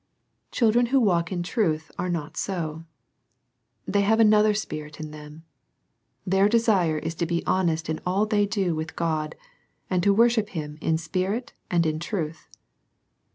Children who walk in truth are not so. They have another spirit in them. Their desire is to be honest in all they do with God, and to wor ship Him in spirit and in truth.